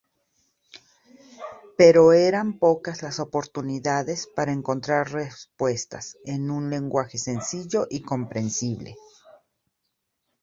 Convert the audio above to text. Pero eran pocas las oportunidades para encontrar respuestas en un lenguaje sencillo y comprensible.